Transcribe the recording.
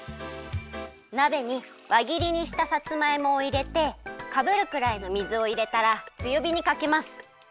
なべにわぎりにしたさつまいもをいれてかぶるくらいの水をいれたらつよびにかけます。